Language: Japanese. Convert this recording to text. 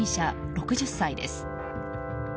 ６０歳です。